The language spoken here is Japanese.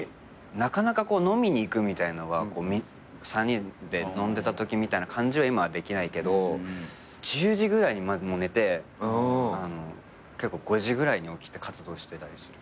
なかなか飲みに行くみたいのが３人で飲んでたときみたいな感じは今はできないけど１０時ぐらいに寝て結構５時ぐらいに起きて活動してたりする。